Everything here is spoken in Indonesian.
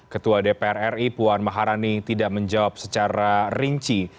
ketua dpr ri puan maharani tidak menjawab secara rinci